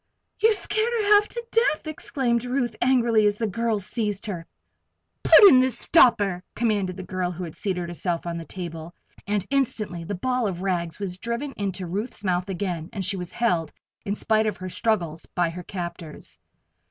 "You've scared her half to death!" exclaimed Ruth, angrily, as the girls seized her. "Put in the stopper!" commanded the girl who had seated herself on the table, and instantly the ball of rags was driven into Ruth's mouth again and she was held, in spite of her struggles, by her captors.